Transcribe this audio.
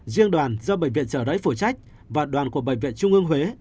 riêng đoàn do bệnh viện trở đấy phủ trách và đoàn của bệnh viện trung ương huế